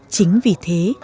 chính vì thế